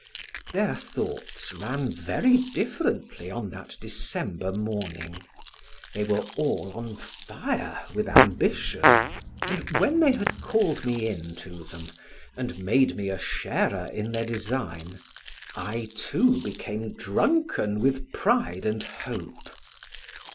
Their thoughts ran very differently on that December morning; they were all on fire with ambition; and when they had called me in to them, and made me a sharer in their design, I too became drunken with pride and hope.